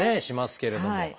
しますけれども。